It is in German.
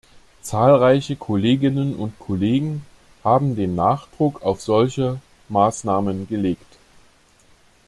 Zahlreiche Kolleginnen und Kollegen haben den Nachdruck auf solche Maßnahmen gelegt.